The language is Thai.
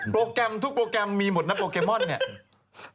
แกรมทุกโปรแกรมมีหมดนะโปเกมอนเนี่ย